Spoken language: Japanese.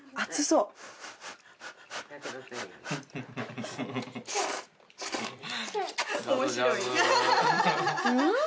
うん！